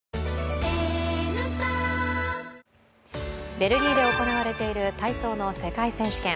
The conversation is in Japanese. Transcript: ベルギーで行われている体操の世界選手権。